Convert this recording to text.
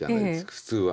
普通は。